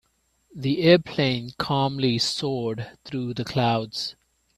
The airplane calmly soared through the clouds.